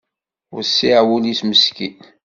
Wessiɛ wul-is meskin